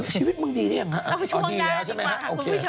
ชีวิตมึงดีหรือยังดีแล้วใช่ไหมครับคุณผู้ชม